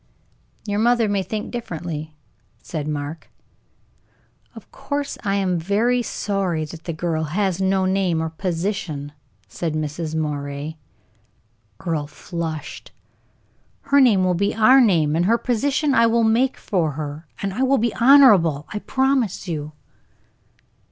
"Your mother may think differently," said Mark. "Of course I am very sorry that the girl has no name or position," said Mrs. Moray. Earle flushed. "Her name will be our name, and her position I will make for her; and it will be honorable, I promise you."